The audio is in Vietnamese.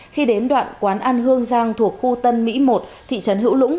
khi đến đoạn quán ăn hương giang thuộc khu tân mỹ một thị trấn hữu lũng